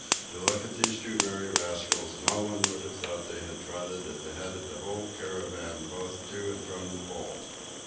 To look at those two merry rascals no one would have thought they had trotted at the head of the whole caravan both to and from the Pole.